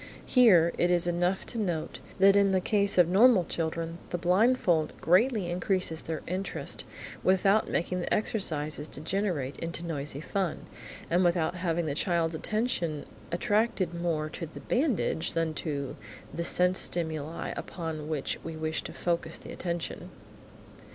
Here, it is enough to note that in the case of normal children the blindfold greatly increases their interest, without making the exercises degenerate into noisy fun, and without having the child's attention attracted more to the bandage than to the sense stimuli upon which we wish to focus the attention.